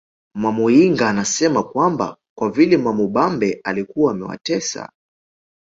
Mwamuyinga anasema kwamba kwa vile Mwamubambe alikuwa amewatesa